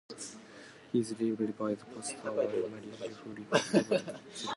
He is defeated by the Master and Margarita, who represent love and selflessness.